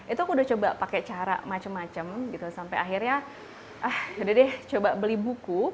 itu aku udah coba pakai cara macem macem gitu sampai akhirnya ah udah deh coba beli buku